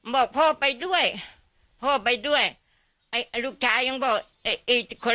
บอกพ่อไปด้วยพ่อไปด้วยไอ้ลูกชายยังบอกไอ้คน